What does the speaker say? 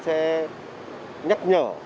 sẽ nhắc nhở